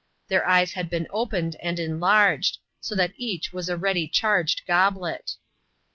Their eyes had been opened and enlarged ; so that each was a ready charged goblet.